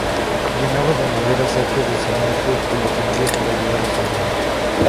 Llenaba de madera sacos de cemento y los vendía para ayudar a su madre.